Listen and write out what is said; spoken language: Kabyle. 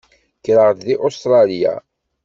Kkreɣ-d deg Ustṛalya.